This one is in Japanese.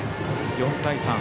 ４対３。